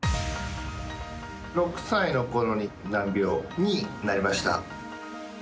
６歳のころに難病になりました。